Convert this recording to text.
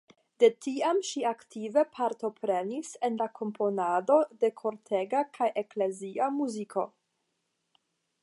De tiam ŝi aktive partoprenis en la komponado de kortega kaj eklezia muziko.